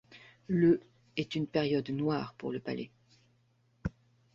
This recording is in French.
Le est une période noire pour le palais.